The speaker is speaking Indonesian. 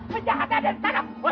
penjahat ada di sana